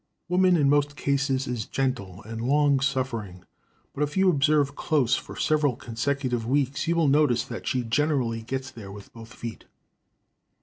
"Woman in most cases is gentle and long suffering, but if you observe close for several consecutive weeks you will notice that she generally gets there with both feet.